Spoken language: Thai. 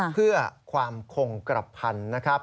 เพื่อความคงกระพันธุ์นะครับ